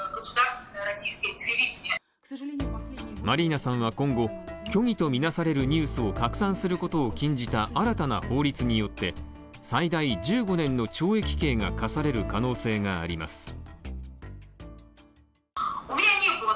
マリーナさんは今後、虚偽とみなされるニュースを拡散することを禁じた新たな法律によって最大１５年の懲役刑が科される可能性があります